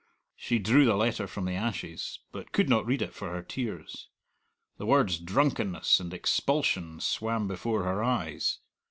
She drew the letter from the ashes, but could not read it for her tears. The words "drunkenness" and "expulsion" swam before her eyes.